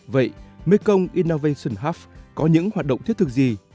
vậy mekong innovation hub có những hoạt động thiết thực gì